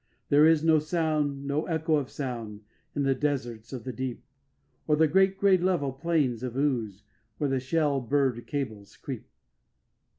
There is no sound, no echo of sound, in the deserts of the deep, Or the great grey level plains of ooze where the shell burred cables creep.